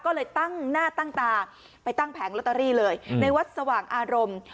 ก็เลยตั้งหน้าตั้งตาไปตั้งแผงลอตเตอรี่เลยในวัดสว่างอารมณ์